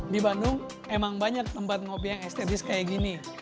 di bandung emang banyak tempat ngopi yang estetis kayak gini